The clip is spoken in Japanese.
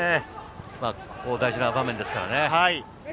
ここ大事な場面ですからね。